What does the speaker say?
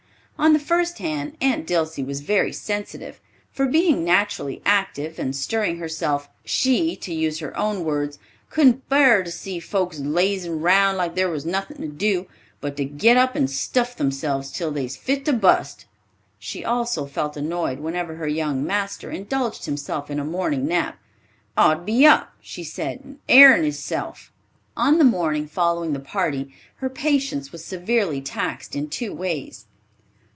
On the first hand Aunt Dilsey was very sensitive, for being naturally active and stirring herself, "She," to use her own words, "couldn't bar to see folks lazin' round like thar was nothin' to do, but to git up and stuff themselves till they's fit to bust." She also felt annoyed whenever her young master indulged himself in a morning nap. "Ought to be up," she said, "and airin' hisself." On the morning following the party, her patience was severely taxed in two ways.